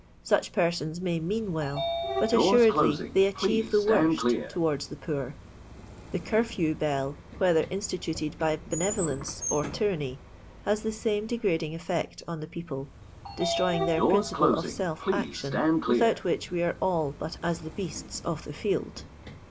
Such persons may mean well, but assuredly they achieve the worst towards the poor. The curfew bell, whether instituted by benevolence or ty ranny, has the same degrading effect on the people — destroying their principle of self action, without which we are all but as die beasts of the field.